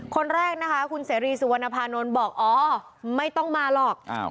คนแรกนะคะคุณเสรีสุวรรณภานนท์บอกอ๋อไม่ต้องมาหรอก